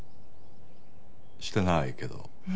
してないけど。